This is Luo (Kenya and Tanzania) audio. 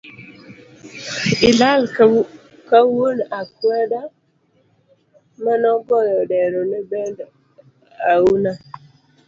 Ilal ka wuon akwenda manogoyo dero nebend auna